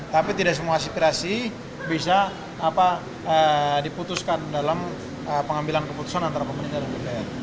tapi tidak semua aspirasi bisa diputuskan dalam pengambilan keputusan antara pemerintah dan dpr